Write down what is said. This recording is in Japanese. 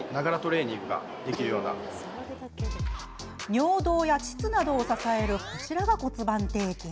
尿道や、ちつなどを支えるこちらが骨盤底筋。